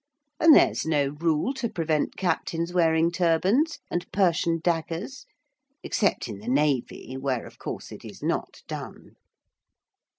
And there is no rule to prevent captains wearing turbans and Persian daggers, except in the Navy where, of course, it is not done.)